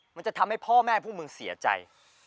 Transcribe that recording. มันจะทำให้พ่อแม่พวกมึงเสียใจ